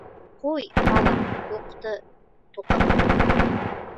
— Ҡуй, балам, юҡты туҡыма.